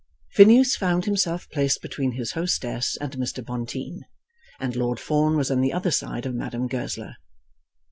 Phineas found himself placed between his hostess and Mr. Bonteen, and Lord Fawn was on the other side of Madame Goesler.